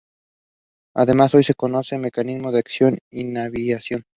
Además, hoy se conoce su mecanismo de acción e inhibición.